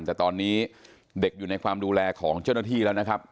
แต่ตอนนี้เด็กอยู่ในความดูแลของเจ้าหน้าที่แล้วนะครับ